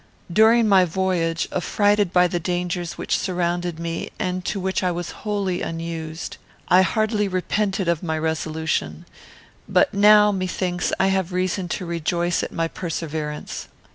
During my voyage, affrighted by the dangers which surrounded me, and to which I was wholly unused, I heartily repented of my resolution; but now, methinks, I have reason to rejoice at my perseverance.